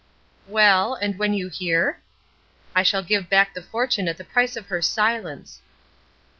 "Well and when you hear?" "I shall give back the fortune at the price of her silence!"